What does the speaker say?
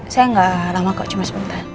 saya nggak lama kok cuma sebentar